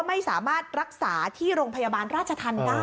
ไม่สามารถรักษาที่โรงพยาบาลราชธรรมได้